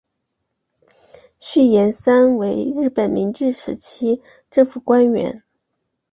续彦三为日本明治时期政府官员。